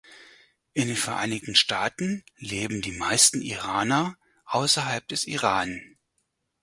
In den Vereinigten Staaten leben die meisten Iraner außerhalb des Iran.